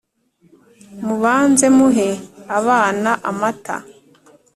mubanze muhe abana amata